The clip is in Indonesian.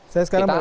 saya sekarang baru